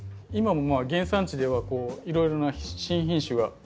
今も原産地ではいろいろな新品種が。